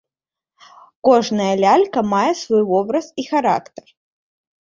Кожная лялька мае свой вобраз і характар.